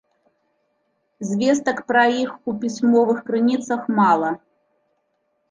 Звестак пра іх у пісьмовых крыніцах мала.